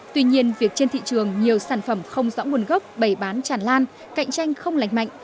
tuy nhiên việc trên thị trường nhiều sản phẩm không rõ nguồn gốc bày bán tràn lan cạnh tranh không lành mạnh